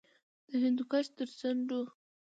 د هندوکش تر څنډو